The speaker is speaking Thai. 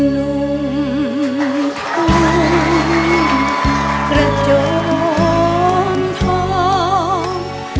ลุงท้องรักโจมท้อง